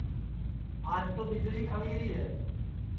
آج تو ٻݪی کھنٚویری ہے